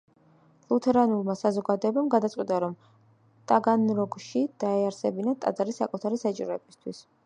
ლუთერანულმა საზოგადოებამ გადაწყვიტა, რომ ტაგანროგში დაეარსებინათ ტაძარი საკუთარი საჭიროებისთვის.